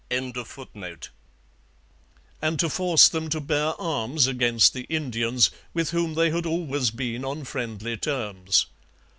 ] and to force them to bear arms against the Indians, with whom they had always been on friendly terms.